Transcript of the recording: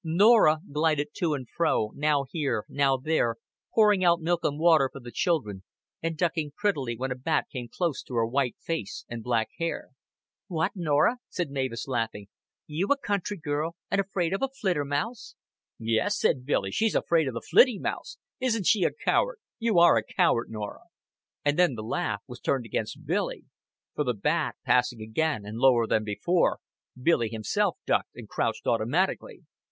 Norah glided to and fro, now here, now there, pouring out milk and water for the children, and ducking prettily when a bat came close to her white face and black hair. "What, Norah," said Mavis, laughing, "you a country girl, and afraid of a flitter mouse!" "Yes," said Billy, "she's afraid of the flitty mouse. Isn't she a coward? You are a coward, Norah." And then the laugh was turned against Billy; for the bat passing again and lower than before, Billy himself ducked and crouched automatically.